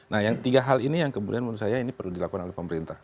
nah yang tiga hal ini yang kemudian menurut saya ini perlu dilakukan oleh pemerintah